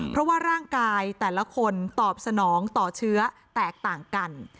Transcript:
เพราะว่าร่างกายแต่ละคนตอบสนองต่อเชื้อแตกต่างกัน